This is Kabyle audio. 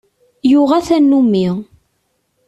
Yuɣa tanummi.